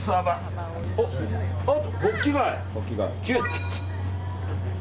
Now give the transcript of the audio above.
あ、ホッキ貝。